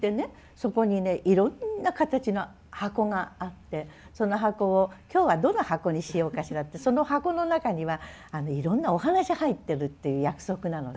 そこにねいろんな形の箱があってその箱を「今日はどの箱にしようかしら」ってその箱の中にはいろんなお話入ってるっていう約束なのね。